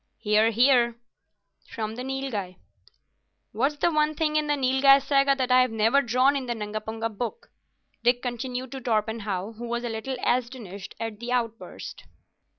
"Hear, hear," from the Nilghai. "What's the one thing in the Nilghai Saga that I've never drawn in the Nungapunga Book?" Dick continued to Torpenhow, who was a little astonished at the outburst.